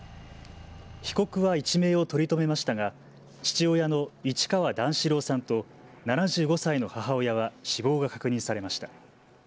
被告は一命を取り留めましたが父親の市川段四郎さんと７５歳の母親は死亡が確認されました。